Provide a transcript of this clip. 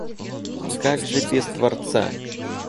Как же без Творца?